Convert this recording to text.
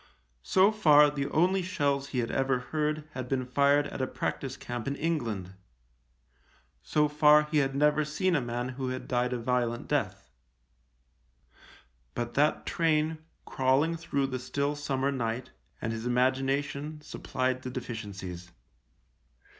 So far the only shells he had ever heard had been fired at a practice camp in England ; so far he had never seen a man who had died a violent death ; but that train, crawling through the still summer night, and his imagination supplied the deficiencies.